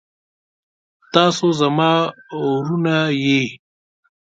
تاسو زما وروڼه يې.